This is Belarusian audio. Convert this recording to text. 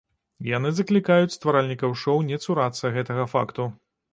Яны заклікаюць стваральнікаў шоў не цурацца гэтага факту.